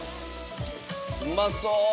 うまそう。